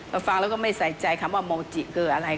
ฟังแล้วก็ไม่ใส่ใจคำว่าโมจิคืออะไร